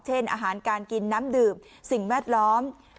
อาหารการกินน้ำดื่มสิ่งแวดล้อม